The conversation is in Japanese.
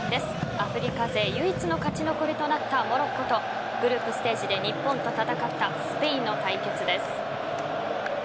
アフリカ勢唯一の勝ち残りとなったモロッコとグループステージで日本と戦ったスペインの対決です。